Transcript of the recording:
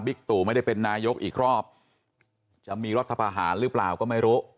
ตู่ไม่ได้เป็นนายกอีกรอบจะมีรัฐพาหารหรือเปล่าก็ไม่รู้